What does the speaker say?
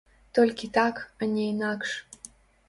Толькі так, а не інакш.